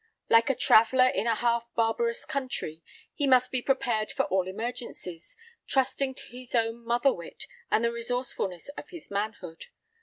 Like a traveller in a half barbarous country, he must be prepared for all emergencies, trusting to his own mother wit and the resourcefulness of his manhood.